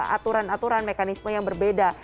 aturan aturan mekanisme yang berbeda